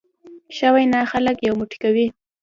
ښه وینا خلک یو موټی کوي.